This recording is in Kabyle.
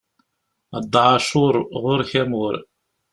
A Dda Ɛacur ɣur-k amur.